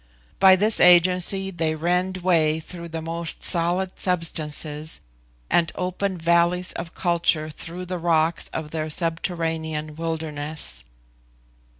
By this agency they rend way through the most solid substances, and open valleys for culture through the rocks of their subterranean wilderness.